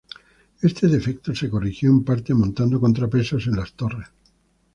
Este defecto, se corrigió en parte montado contrapesos en las torres.